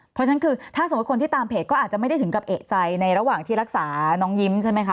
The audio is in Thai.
เพราะฉะนั้นคือถ้าสมมุติคนที่ตามเพจก็อาจจะไม่ได้ถึงกับเอกใจในระหว่างที่รักษาน้องยิ้มใช่ไหมคะ